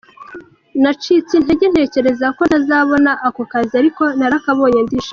Nacitse intege ntekereza ko ntazabona ako kazi ariko narakabonye ndishima.